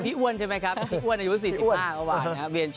อ้วนใช่ไหมครับพี่อ้วนอายุ๔๕เมื่อวานนะครับ